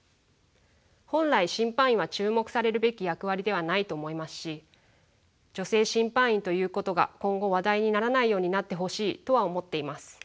本来審判員は注目されるべき役割ではないと思いますし女性審判員ということが今後話題にならないようになってほしいとは思っています。